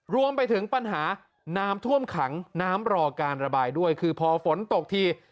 รวมไปถึงปัญหาน้ำท่วมขังน้ำรอการระบายด้วยคือพอฝนตกที